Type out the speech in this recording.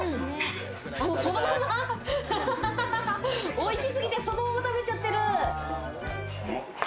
おいしいすぎてそのまま食べちゃってる。